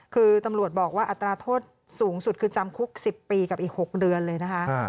คือตำรวจบอกว่าอัตราโทษสูงสุดคือจำคุก๑๐ปีกับอีก๖เดือนเลยนะคะ